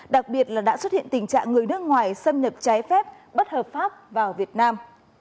đặc biệt là đã xuất hiện tình trạng người nước ngoài xâm nhập trái phép bất hợp pháp vào việt nam